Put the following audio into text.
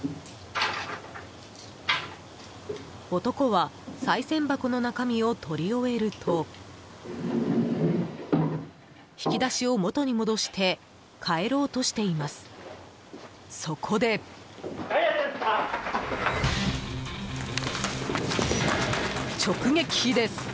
男は、さい銭箱の中身を取り終えると引き出しを元に戻して帰ろうとしています。